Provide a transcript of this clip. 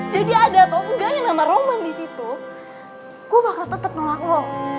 jadi ada atau engga nama roman di situ gue bakal tetep nolak lo